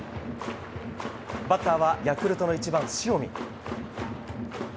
バッターはヤクルトの１番、塩見。